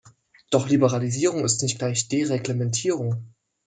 Doch Liberalisierung ist nicht gleich Dereglementierung.